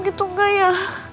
gak gitu gak ya